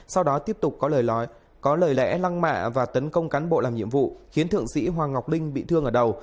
sau đó tiếp tục có lời lẽ lăng mạ và tấn công cán bộ làm nhiệm vụ khiến thượng sĩ hoàng ngọc linh bị thương ở đầu